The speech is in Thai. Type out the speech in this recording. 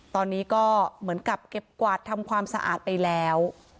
ตอนนี้ก็เหมือนกับเก็บกวาดทำความสะอาดไปแล้ว